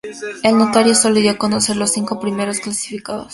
El notario solo dio a conocer los cinco primeros clasificados.